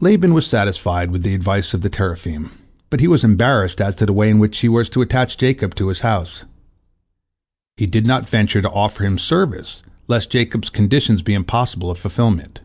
Laban was satisfied with the advice of the teraphim, but he was embarrassed as to the way in which he was to attach Jacob to his house. He did not venture to offer him service, lest Jacob's conditions be impossible of fulfilment.